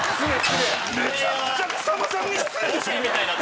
めちゃくちゃ草間さんに失礼でしょ！